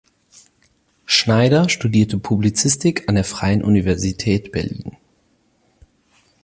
Schneider studierte Publizistik an der Freien Universität Berlin.